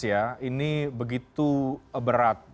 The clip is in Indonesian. ini begitu berat